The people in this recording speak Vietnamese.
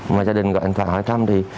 mà gia đình gọi anh tội hỏi thăm